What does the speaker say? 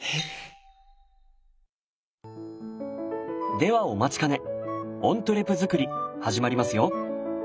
ではお待ちかねオントゥレ作り始まりますよ。